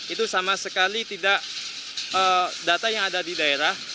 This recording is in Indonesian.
itu sama sekali tidak data yang ada di daerah